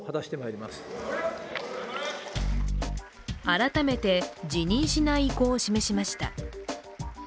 改めて辞任しない意向を示しました。